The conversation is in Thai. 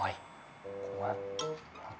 ยังหลาย